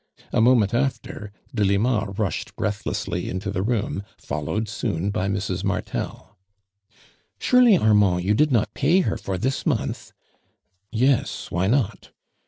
A moment after Delima rushed breath lessly into the room, followed soon by Mrs. 3ilartel. '•Surely, Armand, you did not pay her for this month?" "Yes. Why not?"